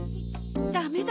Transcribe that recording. ダメだ。